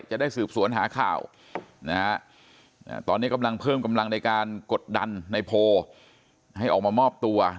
จะได้สืบสวนหาข่าวนะฮะตอนนี้กำลังเพิ่มกำลังในการกดดันในโพลให้ออกมามอบตัว